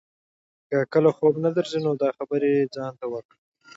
که کله خوب نه درځي نو دا خبرې ځان ته وکړه.